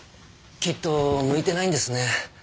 きっと向いてないんですね。